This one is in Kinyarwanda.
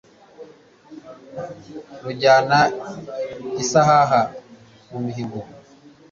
Rujyana isahaha mu mihigo